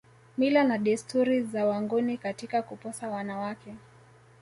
Mila na desturi za wangoni katika kuposa wanawake